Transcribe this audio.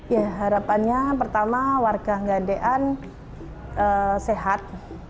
ya harapannya pertama warga nge ndn sehat